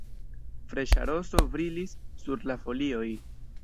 Freŝa roso brilis sur la folioj.